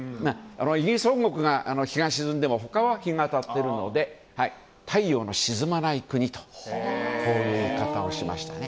イギリス本国が日が沈んでも他のところが日が当たっているので太陽の沈まない国というこういう言い方をしましたね。